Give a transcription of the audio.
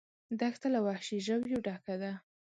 دښته له وحشي ژویو ډکه ده.